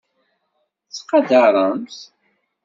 Ttqadaṛemt.